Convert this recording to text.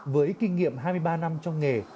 với kinh nghiệm hai mươi ba năm trong nghề